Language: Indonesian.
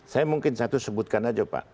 saya ingin saya sebutkan aja pak